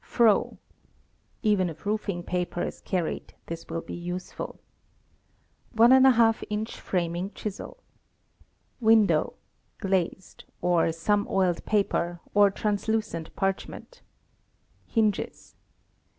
Froe. (Even if roofing paper is carried, this will be useful.) 1^ in. framing chisel. Window (glazed), or some oiled paper, or translucent parch ment. Hinges.